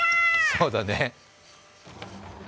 そうだね。